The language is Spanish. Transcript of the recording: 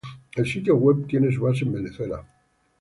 El sitio web tiene su base en Venezuela.